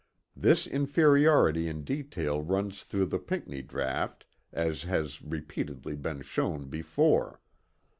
This inferiority in detail runs through the Pinckney draught as has repeatedly been shown before.